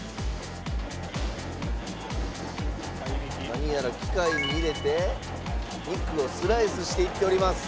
何やら機械に入れて肉をスライスしていっております。